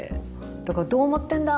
だからどう思ってんだ？